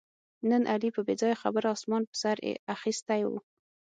نن علي په بې ځایه خبره اسمان په سر اخیستی و